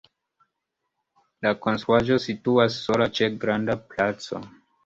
La konstruaĵo situas sola ĉe granda placo.